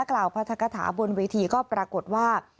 กล่าวพัทกฐาบนเวทีก็ปรากฏว่า